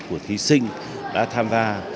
của thí sinh đã tham gia